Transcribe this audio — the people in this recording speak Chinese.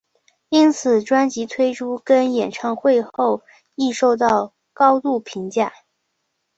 因此专辑推出跟演唱会后亦受到高度评价。